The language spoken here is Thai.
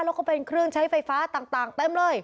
แล้วก็เป็นเครื่องใช้ไฟฟ้าต่างเต็มเลย